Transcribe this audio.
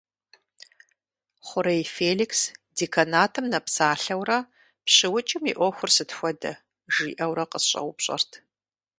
Хъурей Феликс деканатым нэпсалъэурэ, «ПщыукӀым и Ӏуэхур сыт хуэдэ?» жиӏэурэ къысщӏэупщӏэрт.